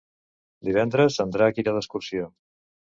Divendres en Drac irà d'excursió.